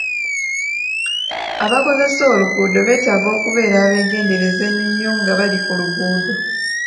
Abakozesa oluguudo beetaaga okubeera abeegendereza ennyo nga bali ku luguudo.